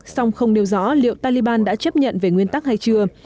xong không điều rõ liệu taliban đã chấp nhận về nguyên tắc hay chưa